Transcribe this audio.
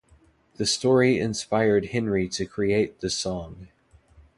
The story inspired Henry to create the song.